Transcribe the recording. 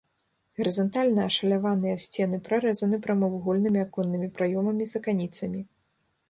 Гарызантальна ашаляваныя сцены прарэзаны прамавугольнымі аконнымі праёмамі з аканіцамі.